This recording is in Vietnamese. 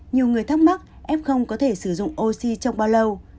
nhiều người thắc mắc ép không có thể sử dụng oxy trong bao lâu